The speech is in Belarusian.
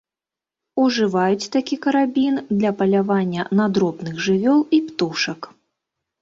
Ужываюць такі карабін для палявання на дробных жывёл і птушак.